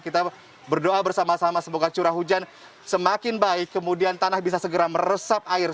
kita berdoa bersama sama semoga curah hujan semakin baik kemudian tanah bisa segera meresap air